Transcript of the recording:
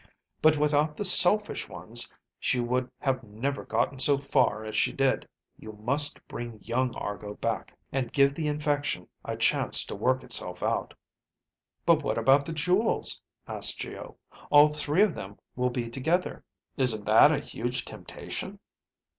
But without the selfish ones, she would have never gotten so far as she did. You must bring young Argo back and give the infection a chance to work itself out." "But what about the jewels?" asked Geo. "All three of them will be together. Isn't that a huge temptation?"